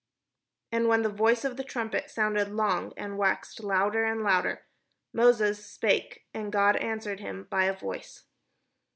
And when the voice of the trumpet sounded long, and waxed louder and louder, Moses spake, and God answered him by a voice.